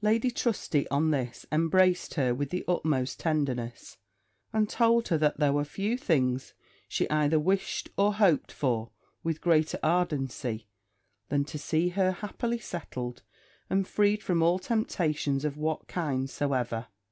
Lady Trusty, on this, embraced her with the utmost tenderness; and told her, that there were few things she either wished or hoped for with greater ardency than to see her happily settled, and freed from all temptations of what kind soever.